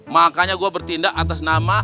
makanya gue bertindak atas nama